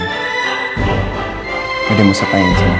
ada yang mau saya tanya disana